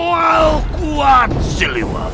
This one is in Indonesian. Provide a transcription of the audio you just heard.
kau sudah sehat siliwangi